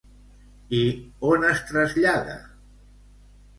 I on es trasllada?